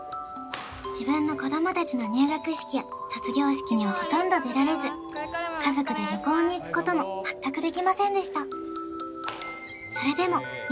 自分の子どもたちの入学式や卒業式にはほとんど出られず家族で旅行に行くことも全くできませんでした